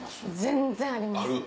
全然あります。